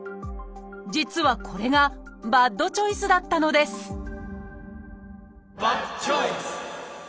実はこれがバッドチョイスだったのですバッドチョイス！